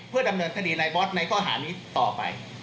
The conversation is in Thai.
เพื่อดำเนินคดีในบอสในข้อหานี้ต่อไป